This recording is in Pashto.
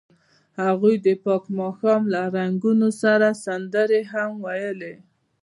هغوی د پاک ماښام له رنګونو سره سندرې هم ویلې.